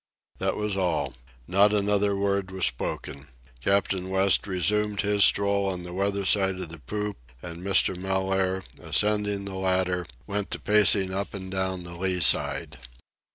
That was all. Not another word was spoken. Captain West resumed his stroll on the weather side of the poop, and Mr. Mellaire, ascending the ladder, went to pacing up and down the lee side.